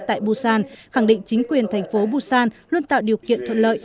tại busan khẳng định chính quyền thành phố busan luôn tạo điều kiện thuận lợi